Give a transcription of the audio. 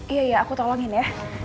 iya aku tolongin ya